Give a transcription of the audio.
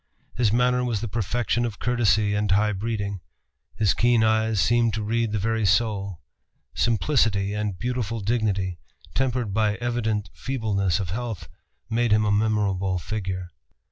His manner was the perfection of courtesy and high breeding. His keen eyes seemed to read the very soul. Simplicity and beautiful dignity, tempered by evident feebleness of health, made him a memorable figure.